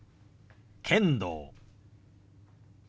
「剣道」。